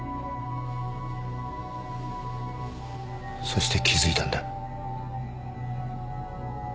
そして気付いたんだ。